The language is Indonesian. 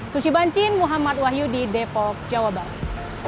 suci bancin muhammad wahyu di depok jawa barat